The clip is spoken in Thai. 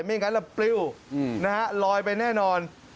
ไม่อย่างนั้นแหละปลิ้วนะฮะลอยไปแน่นอน